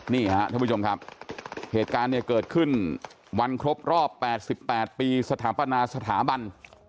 นี่ฮะที่คุณผู้ชมครับเหตุการณ์ก็เกิดขึ้นวันครบรอบ๘๘ปีสถาบัน